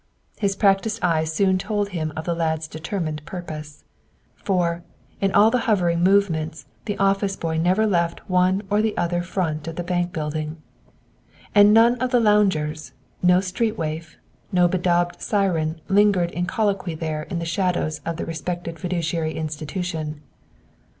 His practiced eye soon told him of the lad's determined purpose. For, in all the hovering movements, the office boy never left one or the other front of the bank building. And none of the loungers, no street waif, no bedaubed siren lingered in colloquy there in the shadows of the respected fiduciary institution.